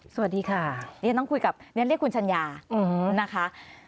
สวัสดีค่ะนี่ต้องคุยกับนี่เรียกคุณชัญญานะคะ